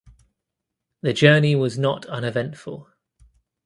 The journey was not uneventful.